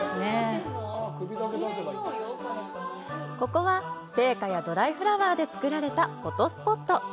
ここは、生花やドライフラワーで作られたフォトスポット。